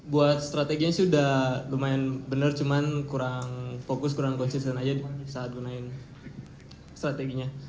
buat strateginya sih udah lumayan bener cuman kurang fokus kurang konsisten aja di saat gunain strateginya